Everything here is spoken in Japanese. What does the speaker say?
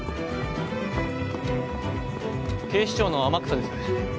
警視庁の天草です。